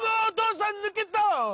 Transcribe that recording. お父さん抜けた！